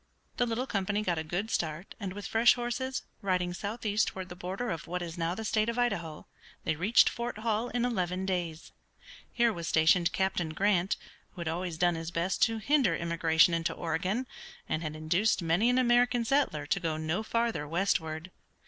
The little company got a good start, and with fresh horses, riding southeast toward the border of what is now the state of Idaho, they reached Fort Hall in eleven days. Here was stationed Captain Grant, who had always done his best to hinder immigration into Oregon, and had induced many an American settler to go no farther westward.